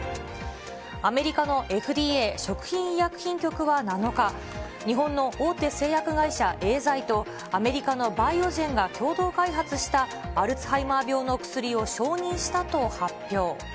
アメリカのＦＤＡ・食品医薬品局は７日、日本の大手製薬会社、エーザイと、アメリカのバイオジェンが共同開発したアルツハイマー病の薬を承認したと発表。